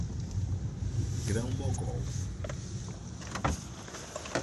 Grão Mogol